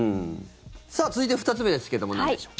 さあ、続いて２つ目ですけどなんでしょう。